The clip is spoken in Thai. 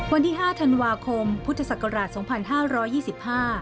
วันที่๕ธันวาคมพุทธศักราช๒๕๒๕